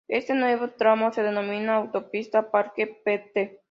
Este nuevo tramo se denomina Autopista Parque Pte.